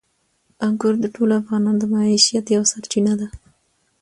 انګور د ټولو افغانانو د معیشت یوه سرچینه ده.